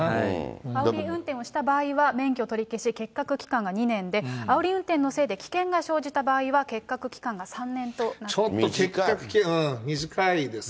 あおり運転をした場合は免許取り消し欠格期間が２年で、あおり運転のせいで危険が生じた場合は欠格期間が３年となっています。